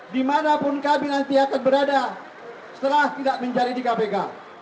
dimanapun kami nanti akan berada setelah tidak menjadi di kpk